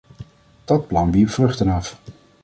Dat plan wierp vruchten af.